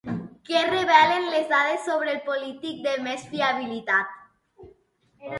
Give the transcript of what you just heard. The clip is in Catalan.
Què revelen les dades sobre el polític de més fiabilitat?